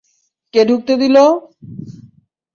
কে ঢুকতে দিলো?